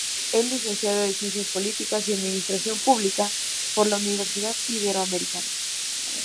Es Licenciado en Ciencias Políticas y Administración Pública por la Universidad Iberoamericana.